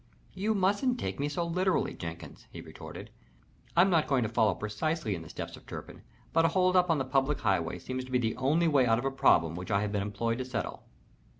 "You mustn't take me so literally, Jenkins," he retorted. "I'm not going to follow precisely in the steps of Turpin, but a hold up on the public highway seems to be the only way out of a problem which I have been employed to settle.